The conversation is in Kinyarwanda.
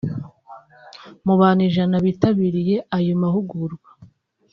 Mu bantu ijana bitabiriye ayo mahugurwa